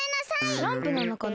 スランプなのかな。